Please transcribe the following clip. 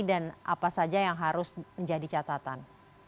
dan apa saja yang harus menjadi catatan